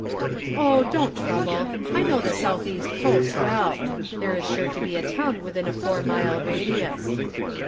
"Oh, don't trouble. I know the Southeast coast well. There is sure to be a town within a four mile radius."